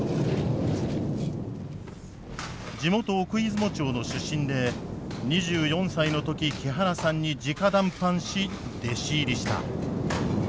地元奥出雲町の出身で２４歳の時木原さんにじか談判し弟子入りした。